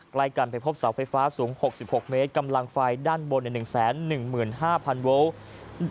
ใกล้กันไปพบเสาไฟฟ้าสูง๖๖เมตรกำลังไฟด้านบน๑๑๕๐๐โวลต์